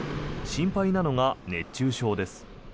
心配なのが熱中症です。